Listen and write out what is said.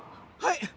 はい。